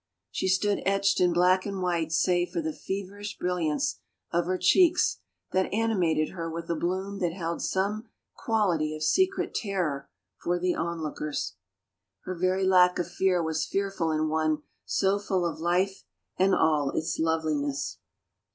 She stood etched in black and white save for the feverish brilliance of her cheeks that animated her with a bloom that held some quality of secret terror for the onlookers. Her very lack of ie^r was fearful in one so full of life and all its love liness.